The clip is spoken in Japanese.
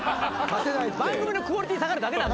番組のクオリティー下がるだけ。